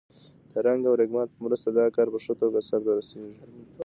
د رنګ او رېګمال په مرسته دا کار په ښه توګه سرته رسیږي.